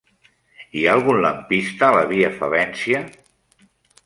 Hi ha algun lampista a la via Favència?